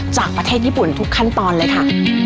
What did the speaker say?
จากประเทศญี่ปุ่นทุกขั้นตอนเลยค่ะ